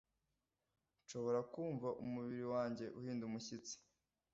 Nshobora kumva umubiri wanjye uhinda umushyitsi